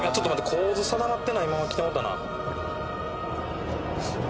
構図、定まってないまま来てもうたな。